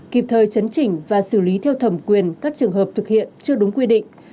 kịp thời chấn chỉnh và xử lý theo thẩm quyền các trường hợp thực hiện chưa đúng quy định